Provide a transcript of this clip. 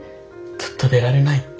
ずっと出られないって。